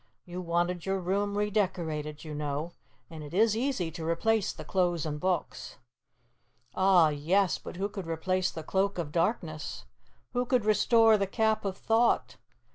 You wanted your room re decorated, you know, and it is easy to replace the clothes and books." Ah, yes, but who could replace the Cloak of Darkness? Who could restore the Cap of Thought?